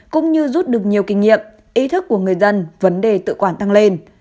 cũng như rút được nhiều kinh nghiệm ý thức của người dân vấn đề tự quản tăng lên